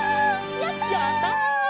やった！